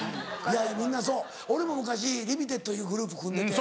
いやみんなそう俺も昔リミテッドいうグループ組んでて。